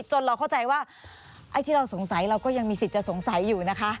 เราเข้าใจว่าไอ้ที่เราสงสัยเราก็ยังมีสิทธิ์จะสงสัยอยู่นะคะ